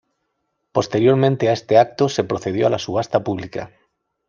Posteriormente a este acto se procedió a la subasta pública.